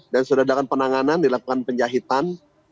dan sudah ada penanganan dilakukan penjahitan